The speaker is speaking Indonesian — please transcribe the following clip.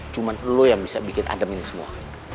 cuma lo yang bisa bikin adem ini semua